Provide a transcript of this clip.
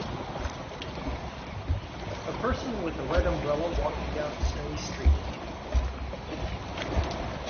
A person with a red umbrella walking down a snowy street.